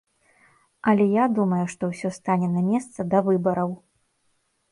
Але я думаю, што ўсё стане на месца да выбараў.